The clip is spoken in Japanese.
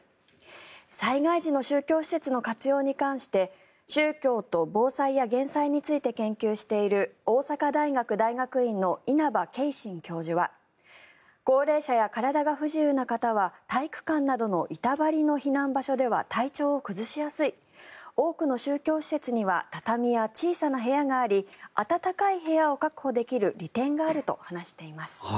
災害時の宗教施設の活用に関して宗教と防災や減災について研究している大阪大学大学院の稲葉圭信教授は高齢者や体が不自由な方は体育館などの板張りの避難所では体調を崩しやすい多くの宗教施設には畳や小さな部屋があり暖かい部屋を確保できる利点があると話しています。